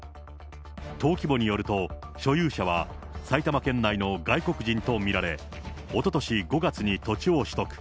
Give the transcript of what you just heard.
登記簿によると、所有者は埼玉県内の外国人と見られ、おととし５月に土地を取得。